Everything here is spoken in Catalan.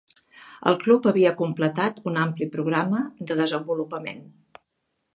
El club havia completat un ampli programa de desenvolupament.